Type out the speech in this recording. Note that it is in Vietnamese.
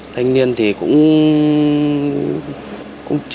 thanh niên thì cũng